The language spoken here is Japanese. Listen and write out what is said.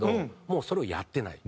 もうそれをやってない。